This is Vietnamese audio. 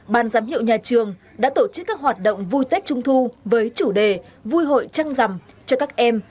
ban giám hiệu nhà trường đã tổ chức các hoạt động vui tết trung thu với chủ đề vui hội trăng rằm cho các em